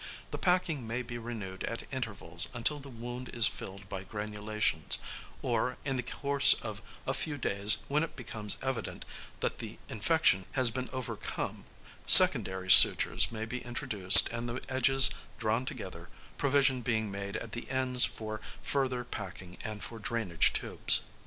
The packing may be renewed at intervals until the wound is filled by granulations; or, in the course of a few days when it becomes evident that the infection has been overcome, secondary sutures may be introduced and the edges drawn together, provision being made at the ends for further packing or for drainage tubes.